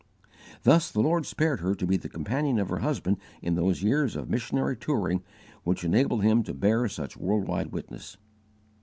Thus the Lord spared her to be the companion of her husband in those years of missionary touring which enabled him to bear such worldwide witness.